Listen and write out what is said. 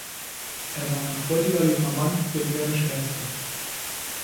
Er war ein freudiger junger Mann, der gerne scherzte.